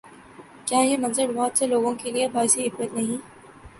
کیا یہ منظر بہت سے لوگوں کے لیے باعث عبرت نہیں؟